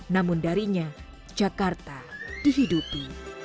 namun darinya jakarta dihidupi